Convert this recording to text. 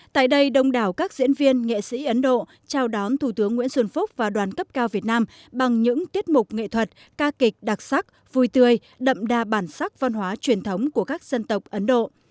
tại đây đông đảo các diễn viên nghệ sĩ ấn độ trao đón thủ tướng nguyễn xuân phúc và đoàn cấp cao việt nam bằng những tiết mục nghệ thuật ca kịch đặc sắc vui tươi đậm đà bản sắc văn hóa truyền thống của các dân tộc ấn độ